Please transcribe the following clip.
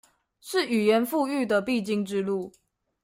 是語言復育的必經之路